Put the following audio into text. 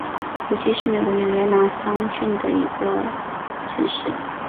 谷溪是美国纽约州拿骚郡的一个城市。